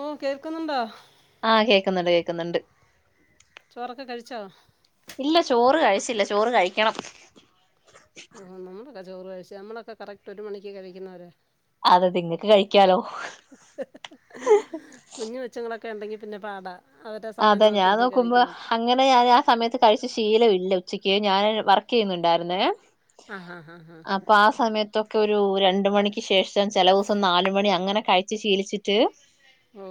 ഓ കേൾക്കുന്നുണ്ടോ ആഹ് കേൾക്കുന്നുണ്ട് കേൾക്കുന്നുണ്ട് ചോറൊക്കെ കഴിച്ചോ ഇല്ല ചോറ് കഴിച്ചില്ല ചോറ് കഴിക്കണം ആഹ് നമ്മളൊക്കെ ചോറ് കഴിച്ച് നമ്മളൊക്കെ കറക്റ്റ് ഒരു മണിക്ക് കഴിക്കുന്നവരാ അതെ നിങ്ങൾക്ക് കഴിക്കാലോ കുഞ്ഞുകൊച്ചുങ്ങളൊക്കെ ഉണ്ടെങ്കി പിന്നെ പാടാ അവരുടെ സമയം അതെ ഞാൻ നോക്കിയല്ലെ നോക്കുമ്പോ കഴിക്കാൻ പറ്റു അങ്ങനെ ഞാൻ ആഹ് സമയത്ത് കഴിച്ച് ശീലം ഇല്ല ഉച്ചക്ക് ഞാന് വർക്ക് ചെയ്യുന്നുണ്ടായിരുന്നെ ആഹ് ആഹ് ആഹ് അപ്പൊ ആഹ് സമയത്തൊക്കെ ഒരു രണ്ടു മണിക്ക് ശേഷം ചില ദിവസം നാലു മണി അങ്ങനെ കഴിച്ചു ശീലി ച്ചിട്ട് ഓ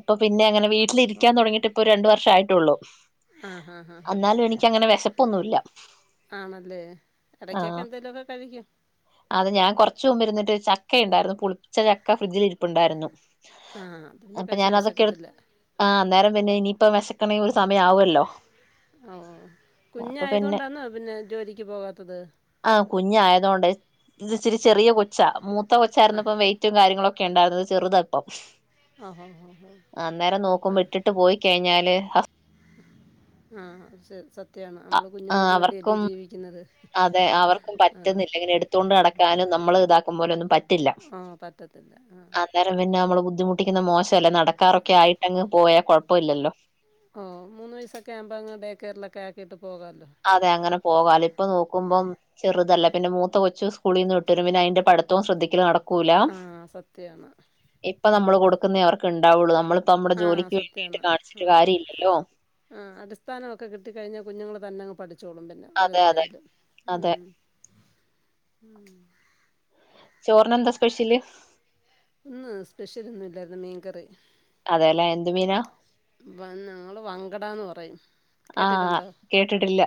ഇപ്പൊ പിന്നെ അങ്ങനെ വീ ട്ടില് ഇരിക്കാൻ തുടങ്ങയിട്ട് ഇപ്പോ രണ്ട് വർഷം ആയിട്ടുള്ളൂ ആഹ് ആഹ് ആഹ് അന്നാലും എനിക്കങ്ങനെ വിശപ്പൊന്നുമില്ല ആണല്ലേ ഇടക്കൊക്കെ ആഹ് എന്തേലുമൊക്കെ കഴിക്ക് അത് ഞാൻ കുറച്ചു മുമ്പ് ഇരുന്നിട്ട് ചക്ക ഉണ്ടായിരുന്നു പുളിപ്പിച്ച ചക്ക ഫ്രിഡ്ജിൽ ഇരിപ്പുണ്ടായിരുന്നു ആഹ് അത് പിന്നെ അപ്പൊ ഞാൻ കഴിച്ചാ അതൊക്കെ എടു വിശക്കത്തില്ല ആഹ് അന്നേരം പിന്നെ ഇനിയിപ്പോ വിശക്കണെങ്കിൽ ഒരു സമയം ആകുവല്ലോ ഓ ഓ കുഞ്ഞ് ആയതുകൊണ്ടാന്നോ പിന്നെ ജോലിക്ക് പോകാത്തത് ആഹ് കുഞ്ഞ് ആയത് കൊണ്ടാ ഇത് ഇച്ചിരി ചെറിയ കൊച്ചാ മൂത്ത കൊച്ച് ആയിരുന്നപ്പം വെയിറ്റ് മറ്റും കാര്യങ്ങളും ഒക്കെ ഉണ്ടായിരുന്നത് അത് ചെറുതാ ഇപ്പം ആഹ് ആഹ് ആഹ് അന്നേരം നോക്കുമ്പോ ഇട്ടിട്ട് പോയി കഴിഞ്ഞാല് ഹസ് ആഹ് ശെരി സ ത്യാണ് നമ്മള് ആഹ് കുഞ്ഞുങ്ങൾക്ക് വേണ്ടിയല്ലേ അവർക്കും ജീവിക്കുന്നത് അതെ അവർക്കും ആഹ് പറ്റുന്നില്ല ഇങ്ങനെ എടുത്തോണ്ട് നടക്കാനും നമ്മള് ഇതാക്കും പോലൊന്നും പറ്റില്ല ആ പറ്റത്തില്ല ആ അന്നരം പിന്നെ നമ്മള് ബുദ്ധിമുട്ടിക്കുന്ന മോശമല്ലെ നടക്കാറൊക്കെ ആ ആയിട്ട്ങ്ങ് പോയാൽ കുഴപ്പമില്ലല്ലോ ഓ മൂന്ന് വയസക്കെ ആകുമ്പോൾ അങ്ങ് ഡേകേയറിലൊക്കെ ആക്കിയിട്ട് പോകാല്ലോ അതെ അങ്ങനെ പോകാല്ലോ ഇപ്പൊ നോക്കുമ്പം ചെറുതല്ല പിന്നെ മൂത്ത കൊച്ചു സ്കൂളിൽ നിന്ന് വിട്ട് വരുമ്പോ പിന്നെ അയ്ന്റെ പഠിത്തവും ശ്രദ്ധിക്കല് നടക്കു ക്കൂല ആ സത്യമാണ് ഇപ്പ നമ്മൾ കൊടുക്കുന്ന അവർക്ക് ഉണ്ടാവുള്ളൂ നമ്മള് ഇപ്പം നമ്മുടെ ആ ജോലിക്ക് വേണ്ടിയിട്ട് കാണിച്ചിട്ട് കാര്യല്ലല്ലോ ആഹ് അടിസ്ഥാനമക്കെ കിട്ടി കഴിഞ്ഞാ കുഞ്ഞുങ്ങള് തന്നെങ് പഠിച്ചോളും പിന്നെ അതെ അതെ വലുതായാല് അതെ ഉം ഉം ചോറിനെന്താ സ്പെഷ്യല് ഇന്ന് സ്പെഷ്യൽ ഒന്നും ഇല്ലായിരുന്നു മീൻകറി അതെല്ലെ എന്ത് മീനാ ഞങ്ങള് വങ്കടന്ന് പറയും ആഹ് കേട്ടിട്ടുണ്ടോ കേട്ടിട്ടില്ല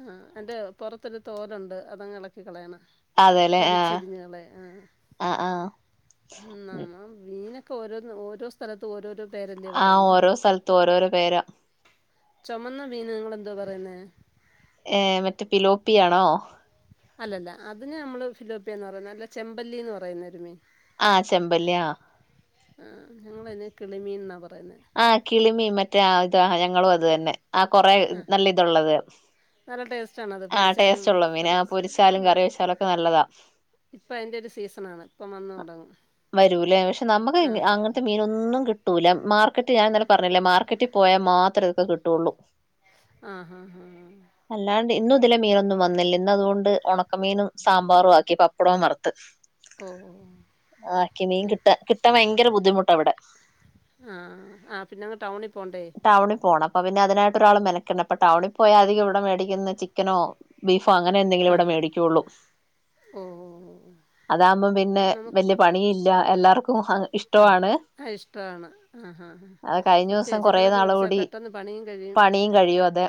ആഹ് അന്റെ പുറത്തരു തോലുണ്ട് അതങ്ങ് ഇളക്കി കളയണം അതെല്ലെ ആഹ് വലിച്ചിരിഞ്ഞുകളെയ് ആഹ് ആഹ് ആഹ് ഉം നമ്മ മീനൊക്കെ ഓരോ ഓരോ സ്ഥലത്ത് ഓരോരോ പേരല്ലേ ആഹ് പറയുന്നത് ഓരോ സ്ഥലത്തും ഓരോരോ പേരാ ചുമന്ന മീനങ്ങൾ എന്താ പറയുന്നേ ഏ മറ്റേ പിലോപ്പിയാണോ അല്ലല്ല അതിന് നമ്മള് ഫിലോപ്പിയന്ന് പറയുന്ന അല്ല ചെമ്പല്ലിന്ന് പറയുന്നൊ ഒരു മീൻ ആഹ് ചെമ്പല്ലി ആഹ് ആഹ് ഞങ്ങളതിനെ കിളിമീൻ ന്നാ പറയുന്നെ.. ആഹ് കിളിമിൻ മറ്റേ ഇതാ ഞങ്ങളും അത് തന്നെ ആ കൊറെ ആ നല്ല ഇതുള്ളത്.. നല്ല ടേസ്റ്റാണത് ആഹ് പൊരിച്ചാലും ടേസ്റ്റ് ഉള്ളൂ മീന് കറി അ വെച്ചാലും പൊരിച്ചാലും കറി വെച്ചാലൊക്കെ നല്ലതാ.. ഇപ്പൊ അയിന്റെ ഒരു സീസൺ ആണ് ഇപ്പ വന്ന് തുടങ്ങും ആഹ് ത്തെ മീനൊന്നും കിട്ടൂല്ല മാർക്കറ്റ് ഞൻന്നെലെ പറഞ്ഞില്ലെ മാർക്കറ്റിൽ പോയാൽ മാത്ര ഇതൊക്കെ കിട്ടുള്ളൂ.. ആഹ് ആഹ് ആഹ്.. അല്ലാണ്ട് ഇന്നും ഇതിലെ മീനൊന്നും വന്നില്ല ഇന്ന് അതുകൊണ്ട് ഉണക്കമീനും സാമ്പാറും ആക്കി പപ്പടവും വറ്ത്ത്.. ഓ ഓ ആക്കി മീൻ കിട്ട കിട്ടാൻ ഭയങ്കര ബുദ്ധിമുട്ട ഇവിടെ ആഹ് ആ പിന്നെ അങ്ങ് ടൗണിൽ പോണ്ടെ ടൗണിൽ പോകണം അപ്പൊ പിന്നെ അതിനായിട്ടൊ ഒരാൾ മെനക്കെണ്ടണ്ണം അപ്പ ടൗണിൽ പോയാ അധികം ഇവിടെ മേടിക്കുന്ന ചിക്കനോ.. ബീഫോ അങ്ങനെ എന്തെങ്കിലും ആഹ് ഇവിടെ മേടിക്കെള്ളൂ.. ഓ അതാകുമ്പോം പിന്നെ നമുക്ക് വല്യ പണി ഇല്ല എല്ലാർക്കും ഇഷ്ടവാണ് ആഹ് ഇഷ്ടവാണ് ആഹാ അത് കഴിഞ്ഞ ദിവസം കൊറെ നാള് കൂടി പണിയും കഴിയും പണിയും കഴിയും അതെ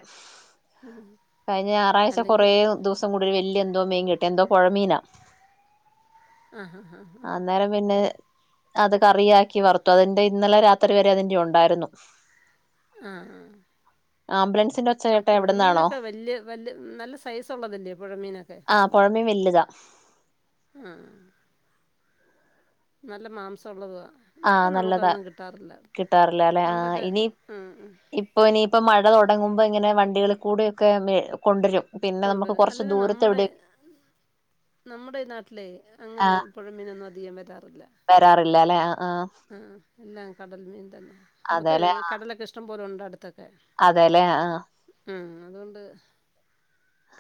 കഴിഞ്ഞ ഞായറാഴ്ച അല്ലെങ്കിൽ കുറെ ദിവസം കൂടി ഒരു വല്യ എന്തോ മിൻ കിട്ടി എന്തോ പുഴമീനാ ആഹ ഹാഹ് ആഹ് അന്നേരം പിന്നെ അത് കറിയാക്കി വറത്തു അതിന്റെ ഇന്നലെ രാ ത്രി വരെ അതിന്റെ ഉണ്ടായിരുന്നു.. ആഹ് ആഹ് ആംബുലൻസിന്റെ ഒച്ച ആഹ് കേട്ട എവിടെ നിന്നാണോ പുഴമീനൊക്കെ വല്യ വല്യ നല്ല സൈസ് ഉള്ളതല്ലേ പൊഴമീനൊക്കെ മീൻ വല്യതാ ആഹ് നല്ല മാംസം ഉള്ളതാ ആ ഇപ്പം നല്ലതാ നമുക്കതൊന്നും കിട്ടാറില്ല കിട്ടാറില്ല അല്ലെ ആ പണ്ടൊക്കെ ഇനി ആഹ് ആഹ് ഇപ്പൊ ഇനിയിപ്പോ മഴ തുടങ്ങുമ്പോ ഇങ്ങനെ വണ്ടികളിൽ കൂടെക്കെ കൊണ്ടരും പിന്നെ നമുക്ക് കൊണ്ടുവരും കൊറച്ച് അല്ലാ ദൂരത്ത് നമ്മുടെ എവിടെ നമ്മുടെ നാട്ടിലെ അങ്ങനെ പുഴ മീനൊന്നും അധികം വരാറില്ല.. വരാറില്ല അല്ലെ ആഹ് ആഹ്.. ആഹ് എല്ലാം കടൽ മീൻ തന്നെ നമ്മുക്ക് അതെല്ലേ കടലൊക്കെ ഇഷ്ടം പോലെ ഉണ്ട് അടുത്തൊക്കെ.. അതെല്ലേ ആഹ്.. ആഹ് അതുകൊണ്ട്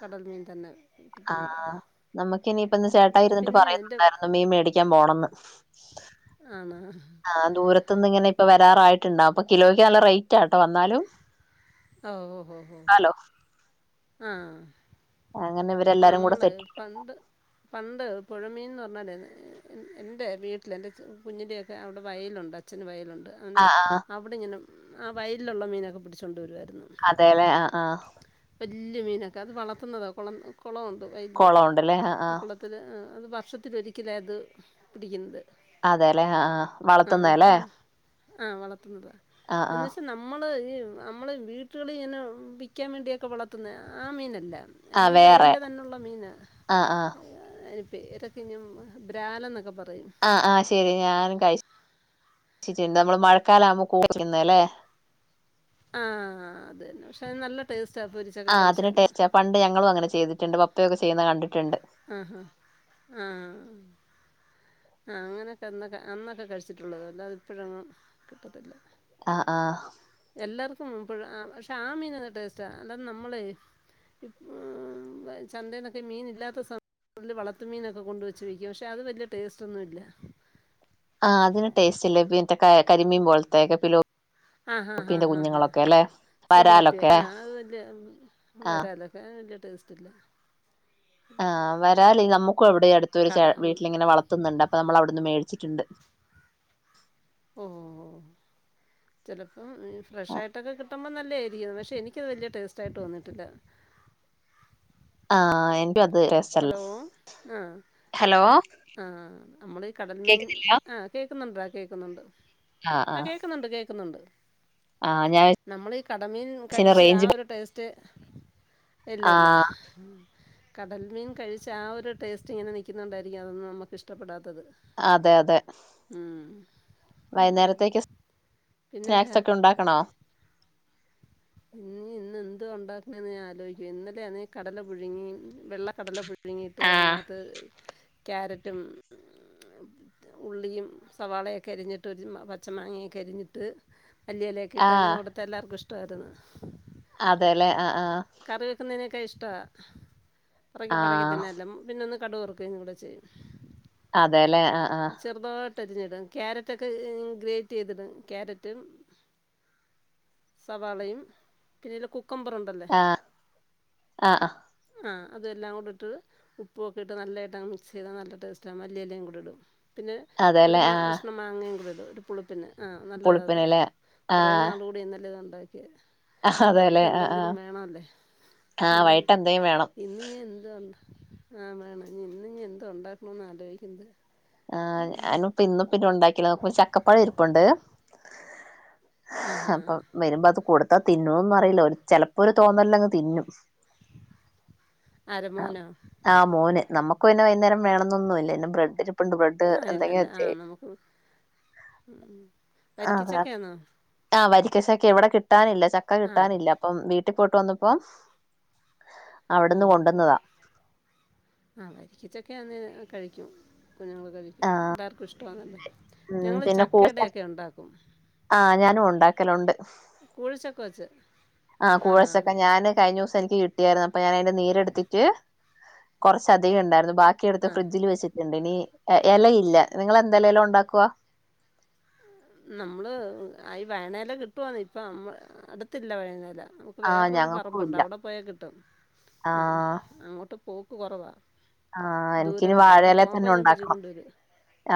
കടൽ മീൻ തന്നെ.. കിട്ടുന്നുണ്ട് ആഹ് നമ്മുക്കിനിയിപ്പ ഇന്ന് ചേട്ടായി ഇരുന്നിട്ട് പിന്നെ എൻ്റെ പറയുന്നുണ്ടായിരുന്നു മീൻ മേടിക്കാൻ പോണന്ന്.. ആണ.. ആഹ് ദൂരത്ത് നിന്ന് ഇങ്ങനെ ഇപ്പ വരാറായിട്ടുണ്ടാവും അപ്പൊ കിലോയ്ക്ക് നല്ല റേറ്റാട്ടോ വന്നാലും.. ഓ ഓ ഓ ഓ.. ഹലോ ആഹ് അങ്ങനെ ഇവരെല്ലാരും കൂടെ നമ്മള് സെറ്റ് പണ്ട്.. പണ്ട് പുഴമീൻന്ന് പറഞ്ഞാല്.. എൻ്റെ വീട്ടിൽ എൻ്റെ കുഞ്ഞിലെക്കെ അവിടെ വയലുണ്ട് അച്ഛന് വയലുണ്ട്.. അങ്ങനെ ആഹ് ആഹ് അവിടെ ഇങ്ങനെ ആ വയലിലുള്ള മീനൊക്കെ പിടിച്ചൊണ്ട് വരുവായിരുന്നു.. അതെല്ലേ ആഹ് ആഹ്.. വല്യ മീനൊക്കെ അത് വളർത്തുന്നതാ കുളം കുളം ഉണ്ട് വയലില് കൊളം ഉണ്ടല്ലേ ആഹ് ആ ആഹ് കുളത്തി.. ത്തില് അത് വർഷത്തിൽ ഒരിക്കല അത് പിടിക്കുന്നത്.. അതെല്ലെ ആഹ് വളർത്തുന്ന ല്ലേ.. ആഹ് വളർത്തുന്നതാ എന്ന് ആഹ് വെച്ച് നമ്മ.. നമ്മള് ഈ നമ്മള് വീട്ടുകളിൽ ഇങ്ങനെ വിക്കാൻ വേണ്ടിയൊക്കെ വളർത്തുന്ന ആ മീനല്ല.. ആഹ് അല്ലേ ഈ വേറെ വയലിൽ തന്നെയുള്ള മീനാ.. ആഹ് ആഹ് അതിന്റെ പേര് [unintelligible] ബ്രാല് ന്നൊക്കെ പറയും.. ആഹ് ആഹ് ശരി ഞാനും കഴി കഴിച്ചിട്ടിണ്ട് നമ്മള് മഴക്കാലം ആവുമ്പോ [unintelligible] ആഹ് അതന്നെ പക്ഷെ അത് നല്ല ടേസ്റ്റാ പൊരി ആഹ് അതൊരു ടേസ്റ്റാ പണ്ട് ഞങ്ങളും അങ്ങനെ ചെയ്തിട്ടുണ്ട് പപ്പയൊക്കെ ചെയ്യുന്നത് കണ്ടിട്ടുണ്ട് ആഹ് ആഹ് ആഹ് ആഹ് അങ്ങനെയൊക്കെ ഉള്ള അന്നൊക്കെ കഴിച്ചിട്ടുണ്ട് അല്ലാതെ ഇപ്പോഴൊന്നും കിട്ടത്തില്ല ആഹ് ആഹ് എല്ലാർക്കുംപ്പഴ ആഹ് പക്ഷെ ആ മീന് നല്ല ടേസ്റ്റാ അല്ലാതെ നമ്മളേയ് ഇപ്പൊ ചന്തേന്നൊക്കെ മീൻ ഇല്ലാത്ത സമയ [unintelligible] വളത്ത് മീനൊക്കെ കൊണ്ട് വെച്ച് വിക്കും പക്ഷെ അത് വല്ല്യ ടേസ്റ്റ് ഒന്നുല്ല ആഹ് അതിന് ടേസ്റ്റ് ഇല്ല പിന്നെ കരി കരിമീൻ പോലത്തേക്കെ പിലോ ആഹ് ആഹ് ആഹ് ആഹ് സിലോപ്പിയ വരാലൊക്കെ ആഹ് അത് വല്ല്യ ആ വരാൽ അത്രയും വല്ല്യ ടേസ്റ്റ് ഇല്ല ആഹ് വരാല് നമ്മുക്ക് ഇവിടെ അടുത്തൊരു ചേ കട വീട്ടിലിങ്ങനെ വളത്തുന്നുണ്ട് അപ്പൊ നമ്മൾ അവിടെന്ന് മേടിച്ചിട്ടുണ്ട് ഓ ചിലപ്പം ഫ്രഷായിട്ടൊക്കെ കിട്ടുമ്പം നല്ല ആയിരിക്കും പക്ഷെ എനി ക്കത് വല്ല്യേ ടേസ്റ്റായിട്ട് തോന്നിട്ടില്ല ആഹ് [unintelligible] ഹലോ ആഹ് ആഹ് നമ്മളീ കടൽമീൻ കേക്കുന്നില്ല ആഹ് കേൾക്കുന്നുണ്ടോ കേക്കുന്നുണ്ട് ആ ആ ആഹ് കേക്കുന്നുണ്ട് കേക്കുന്നുണ്ട് ആ ഞാൻ നമ്മളീ കടമീൻ വിചാരിച്ച് കഴിച്ച് ആ റേഞ്ച് ഒരു ടേസ്റ്റ് ആ ഇല്ലില്ല കടൽമീൻ കഴിച്ച് ആ ഒരു ടേസ്റ്റ് ഇങ്ങനെ നിക്കുന്നോണ്ടായിരിക്കും അതൊന്നും നമ്മുക്ക് ഇഷ്ടപ്പെടാത്തത് അതെ അതെ ഉം ഉം വൈകുന്നേരത്തേക്ക് സ്നാക്സ് ഒക്കെ ഉണ്ടാക്ക് ക്കണോ [inaudible] ഇനി ഇന്ന് എന്തോ ഒണ്ടാക്കണെന്ന് ഞാൻ ആലോയ്ക്കേന്ന് ഇന്നലെ ആണേ ഈ കടല പുഴുങ്ങി വെള്ള കടല പുഴു പുഴുങ്ങിട്ട് ആ അയ്നകത്ത് ക്യാരറ്റും ഉള്ളിയും സവാളയൊക്കെ അരിഞ്ഞിട്ട് ഒരു പച്ച മാങ്ങയൊക്കെ അരിഞ്ഞിട്ട് ആ മല്ലിഇലയോക്കെട്ട് അങ്ങനെ കൊടുത്ത എല്ലാർക്കും ഇഷ്ട്ടാത് അതേലെ ആഹ് ആഹ് [unintelligible] ക്കെ ഇഷ്ട്ടാ പെറക്കി പെറക്കി ആ തിന്നാലും പിന്നൊന്ന് കടു വറക്കെയ് കൂടെ ചെയ്യും അതേലേ ആഹ് ആഹ് [unintelligible] ക്യാരറ്റൊക്കെ ഗ്രേറ്റ് ച്ചെയ്തിടും ക്യാരറ്റും സവാളയും പിന്നെയില് കുക്കമ്പറുണ്ടല്ലേ ആഹ് ആഹ് ആഹ് ആഹ് അതെല്ലാ കൂടെ ഇട്ട് ഉപ്പ് ഒക്കെ ഇട്ട് നല്ലായിട്ടാണ് മിക്സീതാ നല്ല ടേസ്റ്റാകും മല്ലിയെലേം കൂടി ഇടും പിന്നെ ഒരു അതേല്ലേ മാ ആഹ് കഷ്ണം മാങ്ങയും കൂടെ ഇടും ഒരു പുളിപ്പിന് ആഹ് നല്ലതാ അത് പുളിപ്പിനല്ലേ കൊറേ ആഹ് നാൾ കൂടി ഇന്നലെ അത് ഉണ്ടാക്കിയെ അതേല്ലേ ആഹ് വൈകീട്ടന്തെങ്കിലും ആഹ് വേണോലൊ ആഹ് ഉം വൈകിട്ട് എന്തേലും വേണം ഇന്ന് എന്തോണ്ടാക്കാ [unintelligible] ഇനി ഇന്ന് എന്തോണ്ടാക്കണന്നാ ആലോയ്ക്ക്ണത് ആഹ് ഞാനും ഇപ്പൊ ഇന്നു പിന്നെന്നുണ്ടാക്കീല നോക്കുമ്പോരു ചക്കപ്പഴം ഇരിപ്പുണ്ട് ആഹ് ആഹ് അപ്പൊ ആഹ് വരുമ്പോ അത് കൊടുത്താ തിന്നോന്നറീല ഒര് ചെലപ്പോ ഒരു തോന്നലിനങ്ങ് തിന്നും ആര് മോനോ ആഹ് മോന് നമുക്ക് പിന്നെ വൈന്നേരം വേണംന്നൊന്നുല്ല പിന്നെ ബ്രെഡ് പ്പുണ്ട് ബ്രെഡ് ആഹ് ഇല്ലല്ല എന്തെങ്കിചെയ്തി ആഹ് നമുക്ക് ആ വരിക്കച്ചക്കയാന്നോ ആഹ് വരിക്കചക്കെ ഇവിടെ കിട്ടാനില്ല ചക്ക ആഹ് കിട്ടാനില്ല അപ്പം വീട്ടി പോയിട്ട് വന്നപ്പോ ഉം അവിടുന്ന് ഉം ഉം കൊണ്ടുവന്നതാ ആഹ് വരിക്കച്ചക്കയ്ന്നേൽ കഴിക്കും കുഞ്ഞുങ്ങൾ കഴിക്കും എല്ലാർക്കും ഇഷ്ട്ടാന്നല്ലോ ഉം ഞങ്ങൾ പിന്നെ ചക്കടയൊക്കെ ഉണ്ടാക്കും ആഹ് ഞാനും ഉണ്ടാക്കലുണ്ട് കൂഴച്ചക്ക വെച്ച് ആഹ് ആ കൂഴച്ചൊക്കെ ഞാന് കഴിഞ്ഞ ദിവസം എനിക്ക് കിട്ടിയായിരുന്നു അപ്പൊ ഞാൻ അതിന്റെ നീരെടുത്തിട്ട് കൊറച്ച് അധികം ഉണ്ടായിരുന്നു ബാക്കി ക്കിയുണ്ട് ആ ഫ്രിഡ്ജിൽ വെച്ചിട്ടുണ്ട് ഇനി ഇലയില്ല നിങ്ങള് എന്ത് ഇലയിലാ ഉണ്ടാക്കുവ നമ്മള് ഈ വാഴനി ഇല കിട്ടുവാന്ന് ഇപ്പം അടുത്തില്ല വാഴ ഇല ആഹ് വേറെരു ഞങ്ങൾക്കും പറമ്പുണ്ട് ഇല്ല അവിടെ പോയകിട്ടും ആ ആഹ് അങ്ങോട്ട് പോക്ക് കുറവാ ആഹ് എനിക്കിനി ദൂരത്തില്ല അവിടെ വാഴയില പോകുമ്പോ തന്നെ ഞാൻ പിച്ചി ഉണ്ടാക്കണം കൊണ്ടുവരും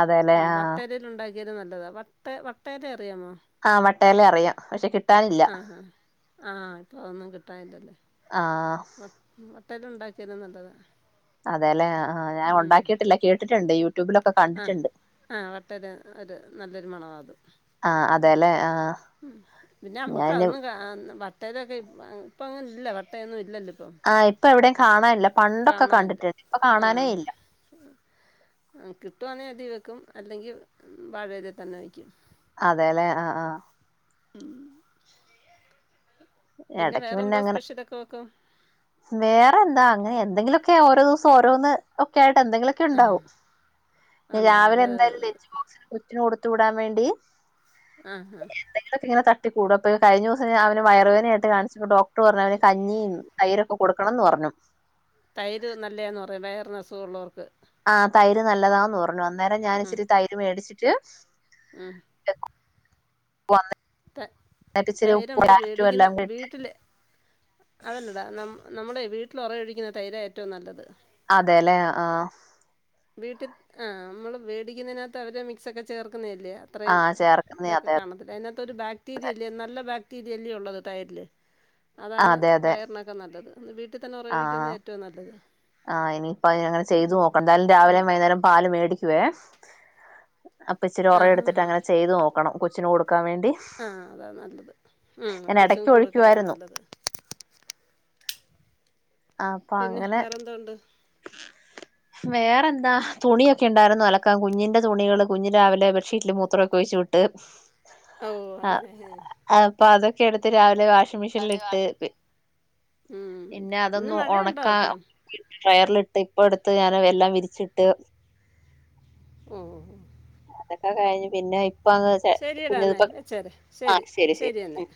അതെല്ലേ ഉം വട്ട ആഹ് ഉണ്ടാക്കിയാലും നല്ലതാ വട്ട വട്ടേ ഇല അറിയാമോ ആഹ് വട്ടയില അറിയാം പക്ഷെ കിട്ടാനില്ല ആഹ് ആഹ് ആ ഇപ്പൊ ഒന്നും കിട്ടാനില്ലാല്ലേ ആഹ് വട്ടെല് ഉണ്ടാക്കിയത് നല്ലതാണ് അതെല്ലേ ആഹ് ഞാൻ ഉം. ഉണ്ടാക്കിയിട്ടില്ല കേട്ടിട്ടുണ്ട് യൂട്യൂബിലൊക്കെ കണ്ടിട്ടുണ്ട് ആഹ് വട്ട ഇല ഒരു നല്ലൊരു മണവാ അത് ആഹ് ഉം അതെല്ലെ ആഹ് ഉം പിന്നെ നമ്മുക്ക് ഞാന് അതൊന്നും ക്കാ വട്ടയിലൊക്കെ ഇപ്പൊ ഇപ്പ അങ്ങന ഇല്ല വട്ടയൊന്നും ഇല്ലല്ലോ ഇപ്പം ആ ഇപ്പൊ എവിടെ കാണാനില്ല പണ്ടൊക്കെ കാണാനില്ല കണ്ടിട്ടുണ്ട് ഇപ്പൊ ആ കാണാനേ ഇല്ല ആ കിട്ടുവാന്നെ അതി വെക്കും അല്ലെങ്കിൽ വാഴ ഇലതിൽ തന്നെ വയ്ക്കും അതെല്ലേ ആഹ് ആഹ് ഉം പിന്നെ ഇടക്ക് വേറെന്തോ അങ്ങനെ സ്പെഷ്യൽൊക്കെ വെക്കും വേറെ എന്താ അങ്ങനെ എന്തെങ്കിലൊക്കെ ഓരോ ദിവസം ഓരോന്ന് ഒക്കെ ആയിട്ട് എന്തെങ്കിലും ക്കെ ആ ഉണ്ടാവും ഉണ്ടാവും രാവിലെ അത് എന്തായാലും ലെഞ്ച് ബോക്സിന് [inaudible] ന് കൊടുത്തു വിടാൻ വേണ്ടി ആഹ് ആഹ്. എന്തെങ്കിലൊക്കെ ഇങ്ങനെ തട്ടി കൂട [unintelligible] അപ്പത് കഴിഞ്ഞ വ്സം ഞാ വയറ് വേ നേര്ത്തെ കാണിച്ചപ്പം ഡോക്ടർ പറഞ്ഞു. അവന് കഞ്ഞിം തൈരൊക്കെ കൊടുക്കണംന്ന് പറഞ്ഞു. തൈര് നല്ലേന്ന് പറയും വയർനെസ്സ് ഉള്ളോർക്ക്. ആഹ് തൈര് നല്ലതാന്ന് പറഞ്ഞു. അന്നേരം ഞാൻ ഇച്ചിരി തൈര് മേടിച്ചിട്ട്. ഉം. വന്ന് ത തൈര് നമ്മള് വേടിക്കുന്ന എല്ലാം കൂടി ഇട്ട് വീട്ടിലെ. അതെല്ലടാ ന നമ്മുടെ വീട്ടില ഒറഴിക്കുന്ന തൈരാ ഏറ്റവും നല്ലത്. അതെല്ലെ ആഹ്. വീട്ടി ആഹ് നമ്മള് വേടിക്കുന്നതിനകത്ത് അവരെ മിക് സൊക്കെ ചേർക്കുന്നില്ലെ അത്. ആ അത്രയും ചേർക്കുന്നേ ഇതൊക്കെ അതെ കാണത് അതിനകത്ത് ഒരു ബാക്ടീരിയ ഇല്ലെ. നല്ല ബാക്ടീരിയ അല്യെ ഉള്ളത്. ടയറ്ൽ അതാണ് അതെ അതെ വയറിന ക്കെ നല്ലത്. വീട്ടിൽ തന്നെ ആ ഉറഴിക്കുന്നത് ഏറ്റവും നല്ലത് ഉം. ഇപ്പം എന്തായാലും രാവിലെം വൈകുന്നേരം പാല് മേടിക്ക്യെ അപ്പൊ ഇച്ചിരി ആ ഒറ ഹാ ഇടുത്തിട്ട് ഹാ അങ്ങനെ ചെയ്തു നോക്കണം. കൊച്ചിന് കൊടുക്കാൻ വേണ്ടി ആ അതാ നല്ലത് ഉം ഞാൻ ഇടയ്ക്ക് കൊച്ചുങ്ങൾക്ക് കൊടുക്കാതാ ഒഴിക്കുവായിരുന്നു നല്ലത്. ആ അപ്പൊ പിന്നെ അങ്ങനെ വേറെന്തോണ്ട് വേറെ എന്താ തുണിയൊക്കെ ഉണ്ടായിരുന്നു അലക്കാം കുഞ്ഞിന്റെ തുണികള് കുഞ്ഞിന്റെ രാവിലെ ബ്രഷ്ബെഡ്ഷീറ്റ്ല് മൂത്രമൊക്കെ വെച്ച്ു വിട്ട് ഓ ആ അങ്ങനെ അപ്പൊ അതൊക്കെ ഇടുത്ത് രാവിലെ വാഷിംഗ് മെഷീനിൽ ഇട്ട്. ഉം പിന്നെ ഇന്ന് അതൊന്ന് മഴയുണ്ടോ ഒണക്കാ ഇപ്പം ഡ്രയറൽ ഇട്ട് ഇപ്പ എടുത്ത് ഞാൻ എല്ലാം വിരിച്ചിട്ട് ഓ ഓഓ അതൊക്കെ കഴിഞ്ഞു പിന്നെ ഇപ്പ അങ് ശരിയെടാ എന്നേ കുഞ്ഞപ്പ വെച്ചേരെ ആ ശരി ശരി എന്നേ [unintelligible] [unintelligible] [unintelligible]